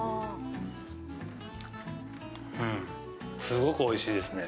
すごくおいしいですか？